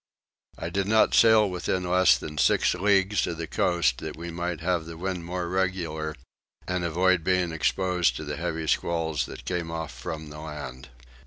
I did not sail within less than six leagues of the coast that we might have the wind more regular and avoid being exposed to the heavy squalls that came off from the land.